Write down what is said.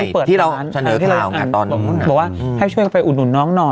บอกว่าให้ก็ไปช่วยอุหนุนน้องหน่อย